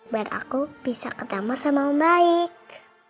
beraku bisa ketemu sama baik